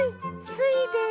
スイです。